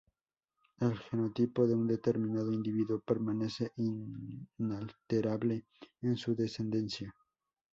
El genotipo de un determinado individuo permanece inalterable en su descendencia.